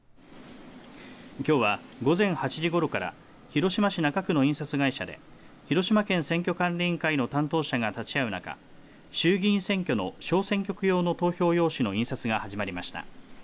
きょうは午前８時ごろから広島市中区の印刷会社で広島県選挙管理委員会の担当者が立ち会う中衆議院選挙の小選挙区用の投票用紙の印刷が始まりました。